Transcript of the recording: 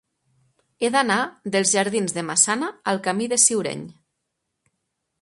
He d'anar dels jardins de Massana al camí del Ciureny.